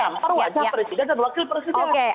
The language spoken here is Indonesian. arwahnya presiden dan wakil presiden